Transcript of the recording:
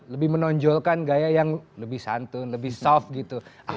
lebih menonjolkan gaya yang lebih santun lebih soft gitu